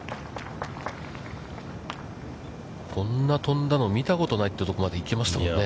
こんな飛んだの見たことないというところまで行きましたよね。